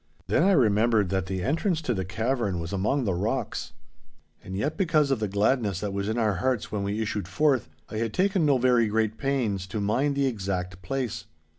'Then I remembered that the entrance to the cavern was among the rocks, and yet because of the gladness that was in our hearts when we issued forth, I had taken no very great pains to mind the exact place.